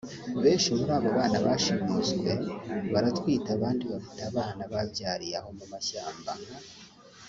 Benshi muri abo bana bashimuswe baratwite abandi bafite abana babyariye aho mu mashyamaba nk